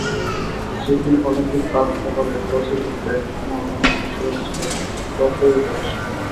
সিডনির Olympic Park ওভালে টসে জিতে ব্যাট করতে নামা বাংলাদেশের শুরুটা ছিল তথৈবচ।